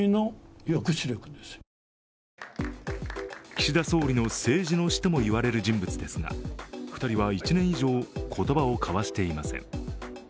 岸田総理の政治の師とも言われる人物ですが、２人は１年以上、言葉を交わしていません。